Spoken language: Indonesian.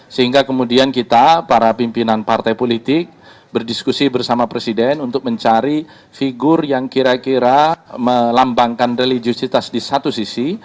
sehingga kemudian kita para pimpinan partai politik berdiskusi bersama presiden untuk mencari figur yang kira kira melambangkan religiositas di satu sisi